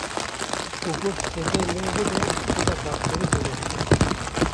ku goşt zêde nerm bibe tê de bakterî zêde dibe